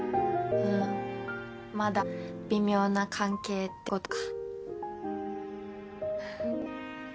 ふんまだ微妙な関係ってことか。